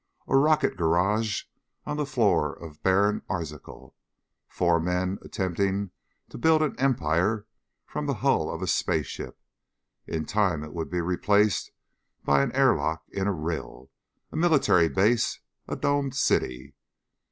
A rocket garage on the floor of barren Arzachel. Four men attempting to build an empire from the hull of a space ship. In time it would be replaced by an airlock in a rill ... a military base ... a domed city.